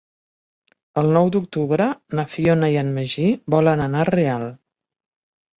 El nou d'octubre na Fiona i en Magí volen anar a Real.